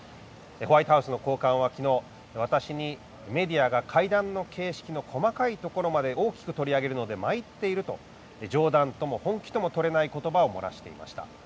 ホワイトハウスの高官は、きのう私に、メディアが会談の形式の細かいところまで大きく取り上げるので参っていると冗談とも本気とも取れないことばを漏らしていました。